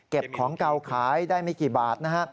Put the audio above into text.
เก็บของเก่าขายได้ไม่กี่บาทนะ